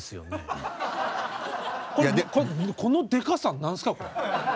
このでかさ何すかこれ。